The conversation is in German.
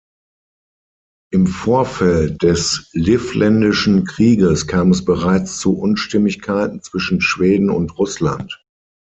Im Vorfeld des Livländischen Krieges kam es bereits zu Unstimmigkeiten zwischen Schweden und Russland.